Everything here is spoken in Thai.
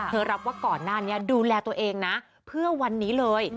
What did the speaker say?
รับว่าก่อนหน้านี้ดูแลตัวเองนะเพื่อวันนี้เลย